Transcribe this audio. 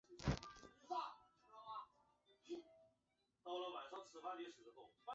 带出旅馆边吃午餐